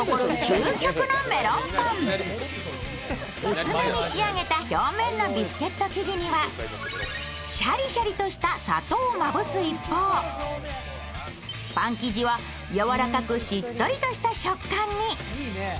薄めに仕上げた表面のビスケット生地にはシャリシャリとして砂糖をまぶす一方、パン生地はやわらかくしっとりとした食感に。